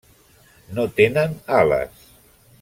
No tenen ales.